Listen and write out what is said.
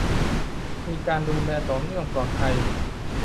- มีการดูแลต่อเนื่องปลอดภัย